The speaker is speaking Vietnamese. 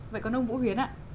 vậy còn ông vũ huyến ạ